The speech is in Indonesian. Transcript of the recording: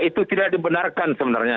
itu tidak dibenarkan sebenarnya